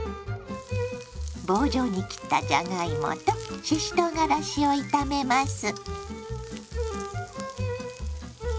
棒状に切ったじゃがいもとししとうがらしを炒めます。